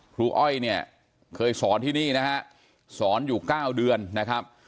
อ้อยเนี่ยเคยสอนที่นี่นะฮะสอนอยู่๙เดือนนะครับ